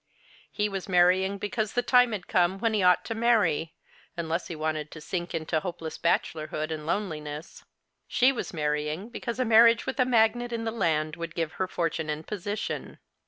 He was marrying because the time had come A\hen he ought to marry, unless he wanted to sink into hojaeless bachelorhood and loneliness. She was marrying because marriage with a magnate in the land would give her fortune and position.